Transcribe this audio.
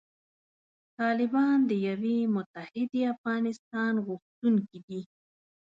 طالبان د یوې متحدې افغانستان غوښتونکي دي.